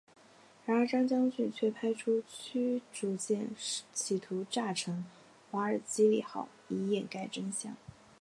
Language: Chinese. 然后张将军却派出驱逐舰企图炸沉瓦尔基里号以掩盖真相。